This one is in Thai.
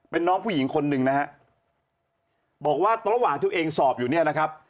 เป็นน้องผู้หญิงคนหนึ่งนะฮะบอกว่าระหว่างตัวเองสอบอยู่เนี่ยนะครับ